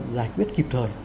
giải quyết kịp thời